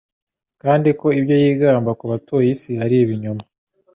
kandi ko ibyo yigamba ku batuye isi ari ibinyoma.